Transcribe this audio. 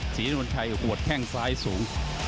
สีดนทรัยอุบวชแข่งซ้ายสูง